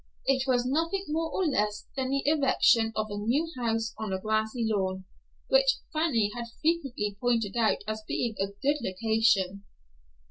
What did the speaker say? It was nothing more nor less than the erection of a new house on a grassy lawn, which Fanny had frequently pointed out as being a good location.